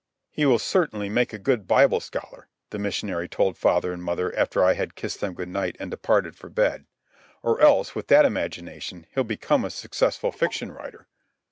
"He will certainly make a good Bible scholar," the missionary told father and mother after I had kissed them good night and departed for bed. "Or else, with that imagination, he'll become a successful fiction writer."